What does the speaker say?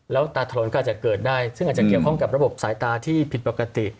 แล้วตาถนนก็อาจจะเกิดได้ซึ่งอาจจะเกี่ยวข้องกับระบบสายตาที่ผิดปกติ